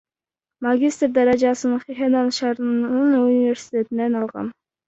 Магистр даражасын Хэнань шаарынын университетинен алгам.